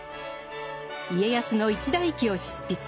家康の一代記を執筆。